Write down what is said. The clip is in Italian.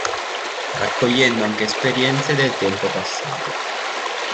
Raccogliendo anche esperienze del tempo passato.